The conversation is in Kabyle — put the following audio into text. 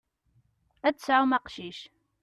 Ad d-tesɛum aqcic.